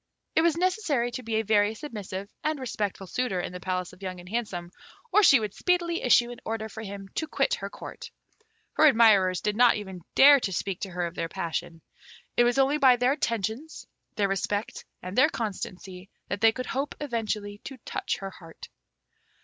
It was necessary to be a very submissive and respectful suitor in the palace of Young and Handsome, or she would speedily issue an order for him to quit her Court. Her admirers did not even dare to speak to her of their passion. It was only by their attentions, their respect, and their constancy, that they could hope eventually to touch her heart.